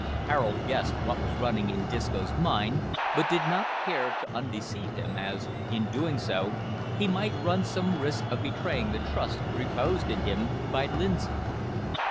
Harold guessed what was running in Disco's mind, but did not care to undeceive him, as, in so doing, he might run some risk of betraying the trust reposed in him by Lindsay.